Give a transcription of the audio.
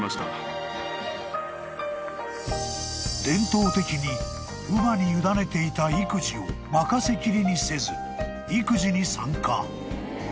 ［伝統的に乳母に委ねていた育児を任せきりにせず育児に参加］